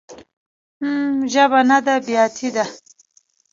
حم ژبه نده بياتي ده.